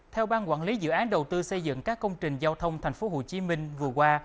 theo ban quản lý dự án đầu tư xây dựng các công trình giao thông thành phố hồ chí minh vừa qua